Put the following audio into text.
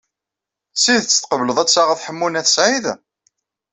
D tidet tqebleḍ ad taɣeḍ Ḥemmu n At Sɛid?